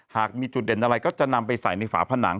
หากมีจุดเด่นอะไรก็จะนำไปใส่ในฝาผนัง